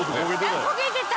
焦げてた！